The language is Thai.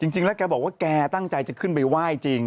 จริงแล้วแกบอกว่าแกตั้งใจจะขึ้นไปไหว้จริง